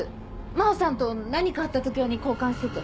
真帆さんと何かあった時用に交換してて。